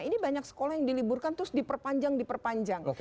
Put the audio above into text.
ini banyak sekolah yang diliburkan terus diperpanjang diperpanjang